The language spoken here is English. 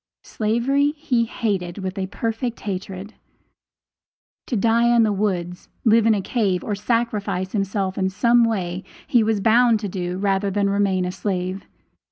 Slavery he hated with a perfect hatred. To die in the woods, live in a cave, or sacrifice himself in some way, he was bound to do, rather than remain a slave.